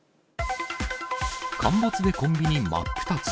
陥没でコンビニ真っ二つ。